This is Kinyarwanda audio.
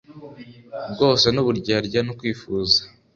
bwose n uburyarya no kwifuza